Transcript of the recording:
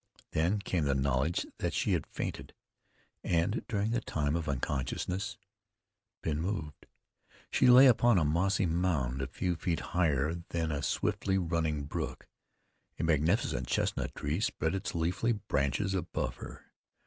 Then came the knowledge that she had fainted, and, during the time of unconsciousness, been moved. She lay upon a mossy mound a few feet higher than a swiftly running brook. A magnificent chestnut tree spread its leafy branches above her.